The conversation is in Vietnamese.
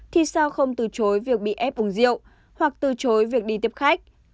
thì sao không từ chối việc bị ép uống rượu hoặc từ chối việc đi tiếp khách